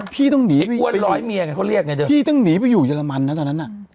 พี่ต้องหนีไปอยู่เยอรมันนะตอนนั้นน่ะ